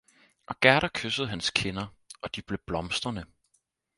Og Gerda kyssede hans kinder, og de blev blomstrende.